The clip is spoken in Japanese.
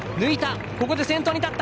ここで先頭に立った！